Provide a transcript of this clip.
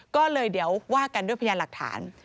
ก็เลยเดี๋ยวว่ากันด้วยพยานหลักฐาน